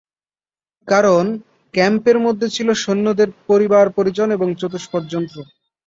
কারণ, ক্যাম্পের মধ্যে ছিল সৈন্যদের পরিবার-পরিজন এবং চতুষ্পদ জন্তু।